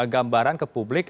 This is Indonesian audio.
gambaran ke publik